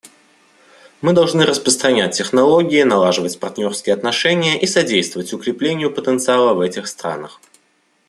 Мы должны распространять технологии, налаживать партнерские отношения и содействовать укреплению потенциала в этих странах.